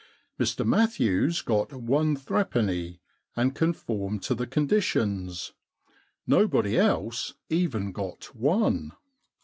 Mr Matthews got one threepenny, and conformed to the conditions. Nobody else even got one.